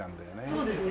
そうですね。